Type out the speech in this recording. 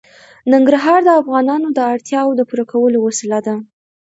ننګرهار د افغانانو د اړتیاوو د پوره کولو وسیله ده.